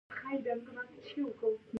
وګړي د افغانستان د طبیعي پدیدو یو رنګ دی.